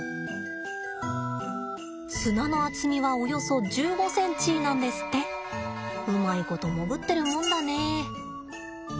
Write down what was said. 砂の厚みはおよそ１５ｃｍなんですってうまいこと潜ってるもんだね。